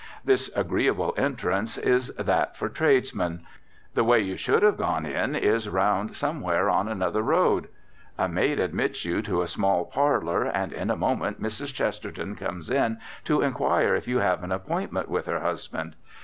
This agreeable entrance is that for tradesmen. The way you should have gone in is round somewhere on another road. A maid admits you to a small parlour and in a moment Mrs. Chesterton comes in to inquire if you have an appointment with her husband.